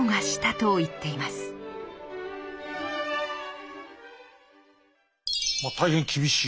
まあ大変厳しい。